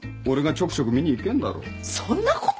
そんなこと！？